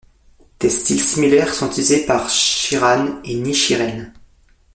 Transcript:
Des styles similaires sont utilisés par Shinran et Nichiren.